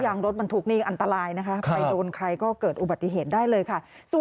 รถบรรทุกนี่อันตรายนะคะไปโดนใครก็เกิดอุบัติเหตุได้เลยค่ะ